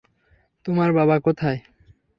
তোমার বাবা কোথায়?